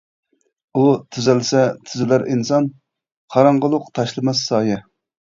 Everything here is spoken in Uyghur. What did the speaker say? ئۇ تۈزەلسە تۈزىلەر ئىنسان، قاراڭغۇلۇق تاشلىماس سايە.